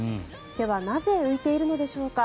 ではなぜ浮いているのでしょうか。